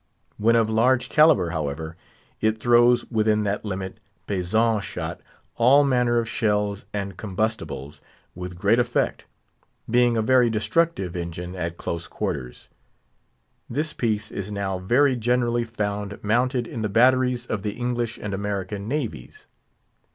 When of large calibre, however, it throws within that limit, Paixhan shot, all manner of shells and combustibles, with great effect, being a very destructive engine at close quarters. This piece is now very generally found mounted in the batteries of the English and American navies.